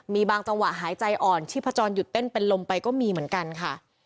มีบางจังหวะหายใจอ่อนชีพจรหยุดเต้นเป็นลมไปก็มีเหมือนกันค่ะ